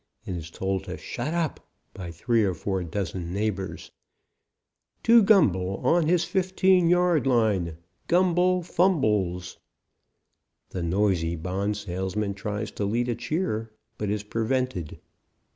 and is told to "Shut up" by three or four dozen neighbors) "to Gumble on his 15 yard line. Gumble fumbles." The noisy bond salesman tries to lead a cheer but is prevented.